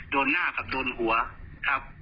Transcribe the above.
โดนหน้ากับโดนหัวครับ